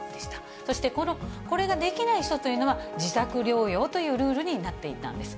そしてこれができない人というのは、自宅療養というルールになっていたんです。